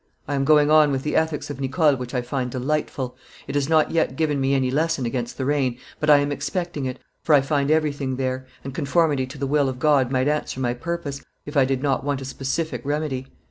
I am going on with the Ethics of Nicole, which I find delightful; it has not yet given me any lesson against the rain, but I am expecting it, for I find everything there, and conformity to the will of God might answer my purpose, if I did not want a specific remedy.